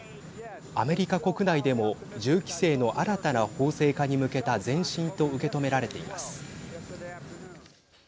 アメリカ国内でも銃規制の新たな法制化に向けた前進と受け止められています。